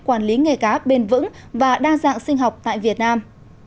quản lý nghề cá bền vững và đa dạng sinh học tại việt nam